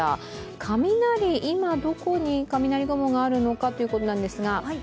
雷、今どこに雷雲があるのかということなんですが。